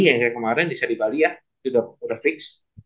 yang kemarin bisa di bali ya sudah fix